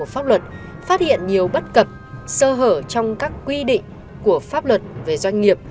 pháp luật phát hiện nhiều bất cập sơ hở trong các quy định của pháp luật về doanh nghiệp